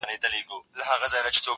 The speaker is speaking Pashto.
• څوک چي له علم سره دښمن دی -